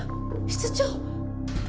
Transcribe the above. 室長。